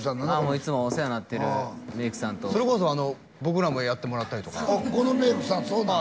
いつもお世話になってるメイクさんとそれこそ僕らもやってもらったりとかこのメイクさんそうなの？